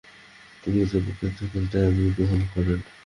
তিনি কলেজের পক্ষ থেকে চাবি গ্রহণ করেন।